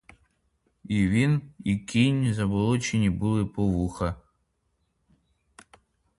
І він, і кінь заболочені були по вуха.